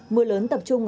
mưa lớn tập trung